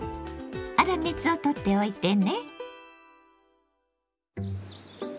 粗熱をとっておいてね。